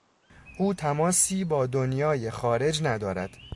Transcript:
او تماسی با دنیای خارج ندارد.